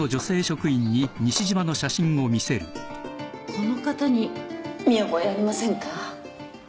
この方に見覚えありませんか？